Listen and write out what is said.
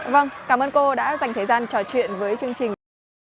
vâng cảm ơn cô đã dành thời gian trò chuyện với chương trình